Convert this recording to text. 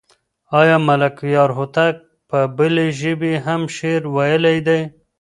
آیا ملکیار هوتک په بلې ژبې هم شعر ویلی دی؟